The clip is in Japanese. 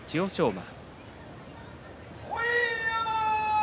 馬。